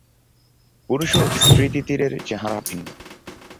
পুরুষ ও স্ত্রী তিতিরের চেহারা ভিন্ন।